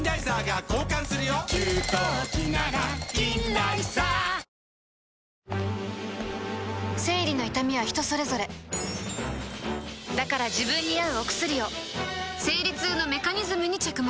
ペイトク生理の痛みは人それぞれだから自分に合うお薬を生理痛のメカニズムに着目